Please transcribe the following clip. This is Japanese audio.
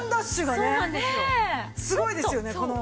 すごいですよねこの。